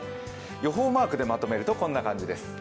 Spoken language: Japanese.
予報マークでまとめるとこんな感じです。